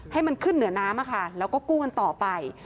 ให้มันขึ้นเหนือน้ำแล้วก็กู้กันต่อไป